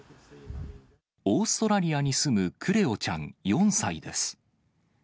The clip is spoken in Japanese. オーストラリアに住むクレオちゃん４歳です。